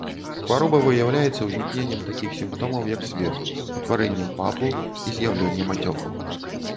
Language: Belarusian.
Хвароба выяўляецца узнікненнем такіх сімптомаў, як сверб, утварэннем папул і з'яўленнем ацёкаў.